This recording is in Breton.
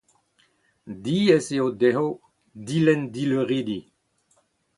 Diaes eo dezho dilenn dileuridi.